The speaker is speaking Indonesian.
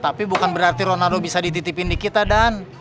tapi bukan berarti ronaldo bisa dititipin di kita dan